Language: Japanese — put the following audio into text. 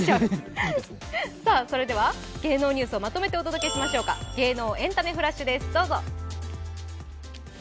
それでは芸能ニュースをまとめてお届けしましょうか、芸能「エンタメフラッシュ」です。